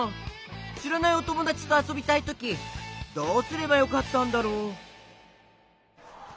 しらないおともだちとあそびたいときどうすればよかったんだろう？